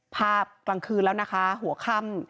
ภาพตลังคืนแล้วหัวค่ำ